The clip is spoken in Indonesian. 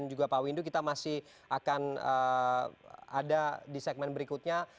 jadi akan ada di segmen berikutnya